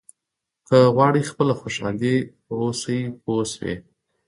که غواړئ خپله خوشاله واوسئ پوه شوې!.